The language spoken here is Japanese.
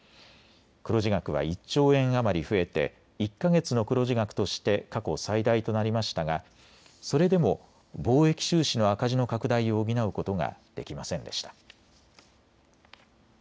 黒字額は１兆円余り増えて１か月の黒字額として過去最大となりましたがそれでも貿易収支の赤字の拡大を補うことができませんでした。